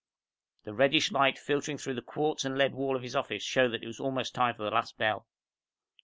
The reddish light filtering in through the quartz and lead wall of his office showed that it was almost time for the last bell.